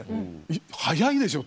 速いでしょ？